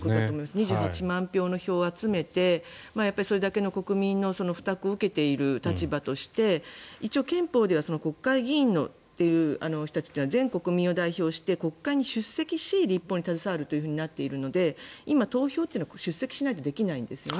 ２８万票の票を集めてそれだけの国民の負託を受けている立場として一応、憲法では国会議員という人たちは全国民を代表して国会に出席し立法に携わるとなっているので今、投票というのは出席しないとできないんですよね。